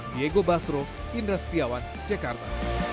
diego basro indra setiawan jakarta